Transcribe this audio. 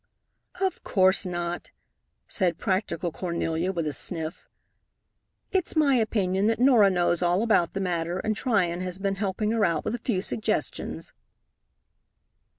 "Of course not," said practical Cornelia, with a sniff. "It's my opinion that Norah knows all about the matter, and Tryon has been helping her out with a few suggestions."